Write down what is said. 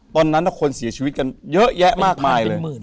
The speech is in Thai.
ตอนนั้นคนเสียชีวิตกันเยอะแยะมากมายเลย